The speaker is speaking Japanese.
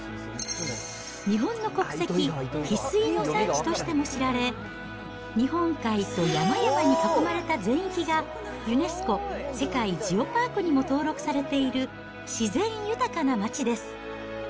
日本の国石、ヒスイの産地としても知られ、日本海と山々に囲まれた全域がユネスコ世界ジオパークにも登録されている自然豊かな町です。